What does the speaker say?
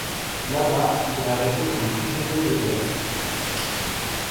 Là-bas, il est arrêté comme prisonnier de guerre.